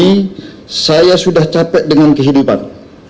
ini saya sudah capek dengan kehidupan